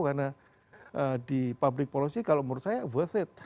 karena di public policy kalau menurut saya worth it